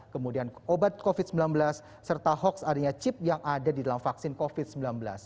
kemudian obat covid sembilan belas serta hoax adanya chip yang ada di dalam vaksin covid sembilan belas